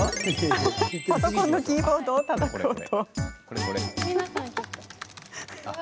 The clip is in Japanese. パソコンのキーボードをたたく音。